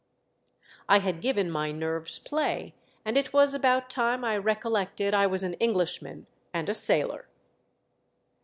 I had given my nerves play and it was about time I recollected I was an Englishman and a sailor.